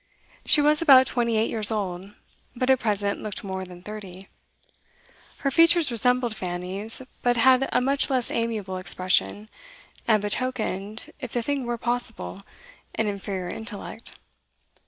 She was about twenty eight years old, but at present looked more than thirty. Her features resembled Fanny's, but had a much less amiable expression, and betokened, if the thing were possible, an inferior intellect.